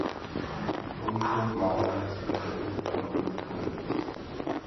A v tomto máme na sobě velmi velkou zodpovědnost.